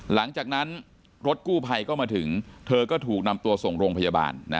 หลังจากนั้นรถกู้ภัยก็มาถึงเธอก็ถูกนำตัวส่งโรงพยาบาล